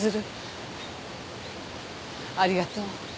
ありがとう。